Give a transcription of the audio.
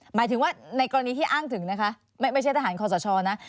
หมายถึงว่าในกรณีที่อ้างถึงนะคะไม่ใช่ทหารคอสชนะ